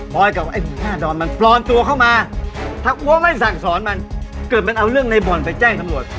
พอยกับไอ้หน้าดอนมันปลอมตัวเข้ามาถ้ากลัวไม่สั่งสอนมันเกิดมันเอาเรื่องในบ่อนไปแจ้งตำรวจ